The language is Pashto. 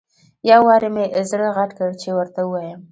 یو وارې مې زړه غټ کړ چې ورته ووایم.